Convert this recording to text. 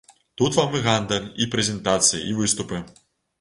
Тут вам і гандаль, і прэзентацыі, і выступы.